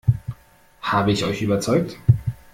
Habe ich euch überzeugt?